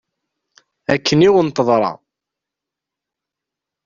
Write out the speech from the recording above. Akken i wen-teḍra.